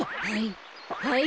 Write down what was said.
はい。